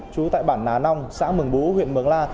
trú tại bản nà nong xã mừng bũ huyện mường la